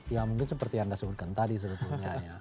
ya mungkin seperti yang anda sebutkan tadi sebetulnya ya